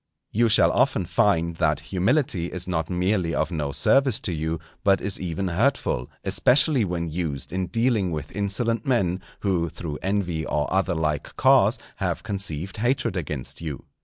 _ You shall often find that humility is not merely of no service to you, but is even hurtful, especially when used in dealing with insolent men, who, through envy or other like cause, have conceived hatred against you.